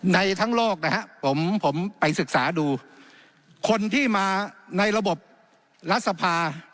ในทั้งโลกนะครับผมผมไปศึกษาดูคนที่มาในระบบรัฐสภา